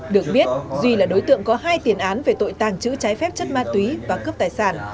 được biết duy là đối tượng có hai tiền án về tội tàng trữ trái phép chất ma túy và cướp tài sản